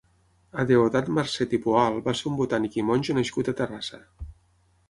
Adeodat Marcet i Poal va ser un botànic i monjo nascut a Terrassa.